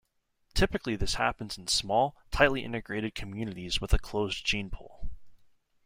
Typically this happens in small, tightly integrated communities with a closed gene pool.